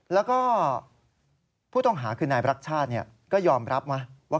และผู้ต้องหาคืนนายบรักชาติก็ยอมรับว่า